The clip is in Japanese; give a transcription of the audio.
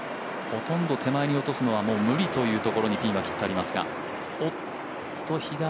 ほとんど手前に落とすのは無理というところにピンが置いてありますが。